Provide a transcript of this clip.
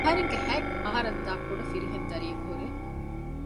އަހަރެންގެ ހަތް އަހަރަށްދާ ކުޑަ ފިރިހެން ދަރިއަކު ހުރޭ